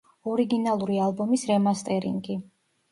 ორიგინალური ალბომის რემასტერინგი.